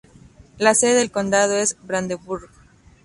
La sede del condado es Brandenburg.